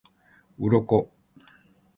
鱗